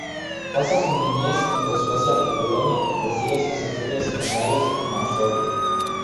Pasa su niñez entre Suecia y Polonia y prosigue sus estudios secundarios en Varsovia.